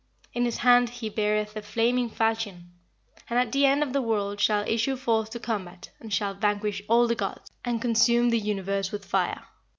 In his hand he beareth a flaming falchion, and at the end of the world shall issue forth to combat, and shall vanquish all the gods, and consume the universe with fire."